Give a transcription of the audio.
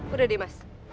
udah deh mas